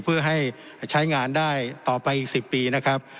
เพื่อให้ใช้งานได้ต่อไปอีก๑๐ปีนะครับ